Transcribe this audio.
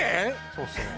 そうですね